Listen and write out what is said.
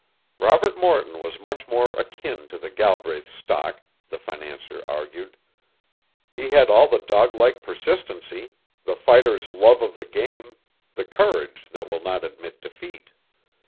Robert Morton was much more akin to the Galbraith stock, the financier argued. He had all the dog like persistency, the fighter's love of the game, the courage that will not admit defeat.